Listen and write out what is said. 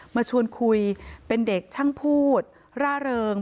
มาชวนคุยเป็นเด็กช่างพูดร่าเริง